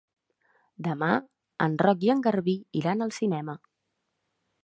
Demà en Roc i en Garbí iran al cinema.